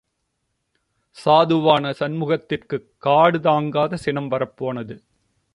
சாதுவான சண்முகத்திற்குக் காடு தாங்காத சினம் வரப்போனது.